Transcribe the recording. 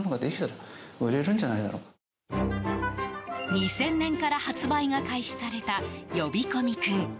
２０００年から発売が開始された呼び込み君。